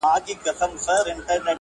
شاهینان وه چي کوترې یې خوړلې،